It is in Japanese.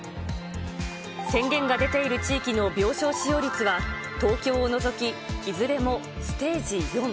宣言が出ている地域の病床使用率は東京を除きいずれもステージ４。